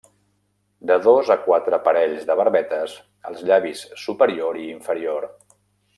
De dos a quatre parells de barbetes als llavis superior i inferior.